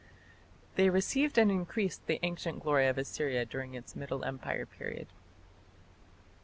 They revived and increased the ancient glory of Assyria during its Middle Empire period.